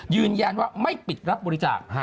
ยืนยันว่าไม่ปิดรับบริจาค